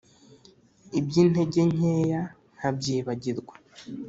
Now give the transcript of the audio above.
Iby'intege nkeya nkabyibagirwa.